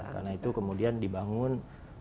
karena itu kemudian dibangun